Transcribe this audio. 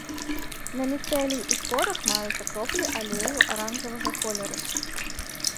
На міцэліі і спорах маюцца кроплі алею аранжавага колеру.